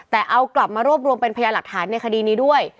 แต่เอากลับมารวบรวมเป็นพยาหลักฐานในคดีนี้ด้วย